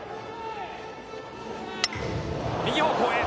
右方向へ。